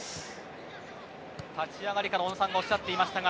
立ち上がりから小野さんがおっしゃっていましたが。